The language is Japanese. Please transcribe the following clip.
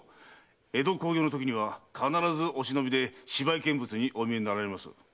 江戸興行のときには必ずお忍びで芝居見物にお見えになられます。